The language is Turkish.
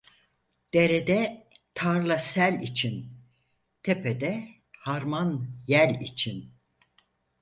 Derede tarla sel için, tepede harman yel için.